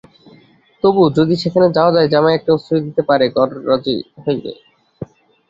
তবুও যদি সেখানে যাওয়া যায়, জামাই একটু আশ্রয় দিতে কি গররাজী হইবে?